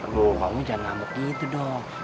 eh kamu jangan ngamuk gitu dong